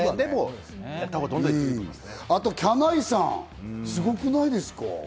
あと、きゃないさん、すごくないですか？